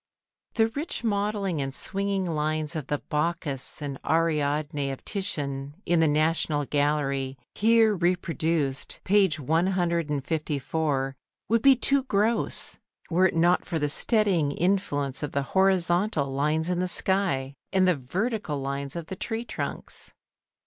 ] The rich modelling and swinging lines of the "Bacchus and Ariadne" of Titian in the National Gallery, here reproduced, page 154 [Transcribers Note: Plate XXXIV], would be too gross, were it not for the steadying influence of the horizontal lines in the sky and the vertical lines of the tree trunks.